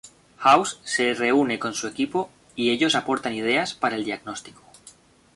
House se reúne con su equipo y ellos aportan ideas para el diagnóstico.